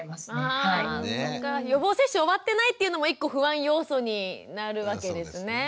あそっか予防接種終わってないっていうのも１個不安要素になるわけですね。